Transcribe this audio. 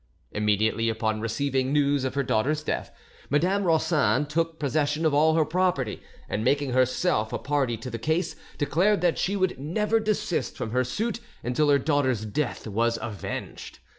Immediately upon receiving news of her daughter's death, Madame de Rossan took possession of all her property, and, making herself a party to the case, declared that she would never desist from her suit until her daughter's death was avenged.